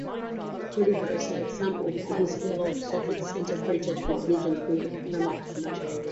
Prodicus, like some of his fellow Sophists, interpreted religion through the framework of naturalism.